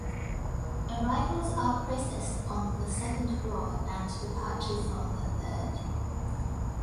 Arrivals are processed on the second floor, and departures on the third.